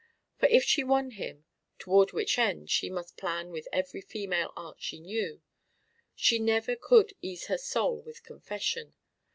For if she won him, toward which end she must plan with every female art she knew, she never could ease her soul with confession.